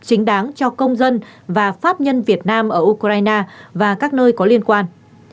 chính đáng cho công dân và pháp nhân việt nam ở ukraine và các nơi có liên quan